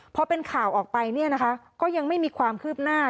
พอเป็นข่าวออกไปเนี่ยนะคะก็ยังไม่มีความคืบหน้า